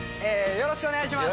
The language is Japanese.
よろしくお願いします。